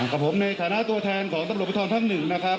กับผมในฐานะตัวแทนของตำรวจภูทรภาคหนึ่งนะครับ